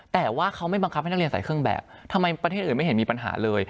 แต่ว่าเขาไม่บังคับให้นักเรียนใส่เครื่องแบบทำไมประเทศอื่นไม่เห็นมีปัญหาเลย